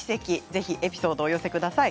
ぜひエピソードをお寄せください。